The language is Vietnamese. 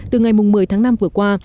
từ ngày một mươi tháng năm vừa qua